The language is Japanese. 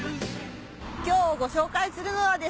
今日ご紹介するのはですね